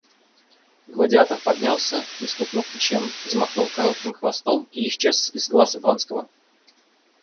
Гладиатор поднялся, не стукнув ничем, взмахнул коротким хвостом и исчез из глаз Вронского.